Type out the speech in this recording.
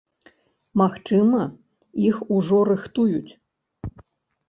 Магчыма, іх ужо рыхтуюць.